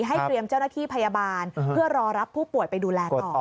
ให้เตรียมเจ้าหน้าที่พยาบาลเพื่อรอรับผู้ป่วยไปดูแลต่อ